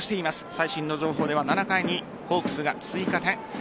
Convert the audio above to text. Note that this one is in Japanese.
最新の情報では７回にホークスが追加点。